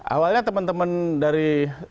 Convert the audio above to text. awalnya teman teman dari